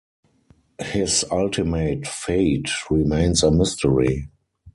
His ultimate fate remains a mystery.